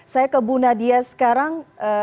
saya ke bu nadia sekarang